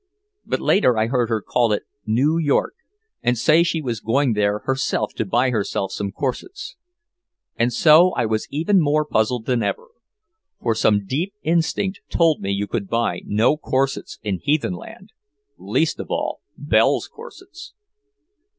But later I heard her call it "New York" and say she was going there herself to buy herself some corsets. And so I was even more puzzled than ever. For some deep instinct told me you could buy no corsets in "heathen land" least of all Belle's corsets.